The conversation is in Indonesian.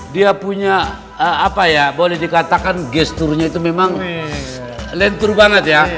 dia punya apa ya boleh dikatakan gesturnya itu memang lentur banget ya